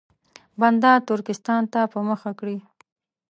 بنده ترکستان ته په مخه کړي.